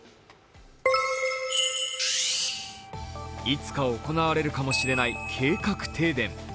いつか行われるかもしれない計画停電。